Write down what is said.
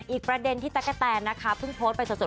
อีกประเด็นที่แต๊กแกะแตนนะคะ